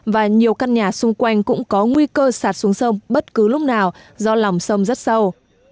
và nhiều căn nhà xung quanh cũng có nguy cơ sạt xuống sông bất cứ lúc nào do lòng sông rất sâu